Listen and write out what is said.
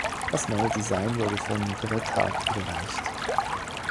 Das neue Design wurde von Bret Hart überreicht.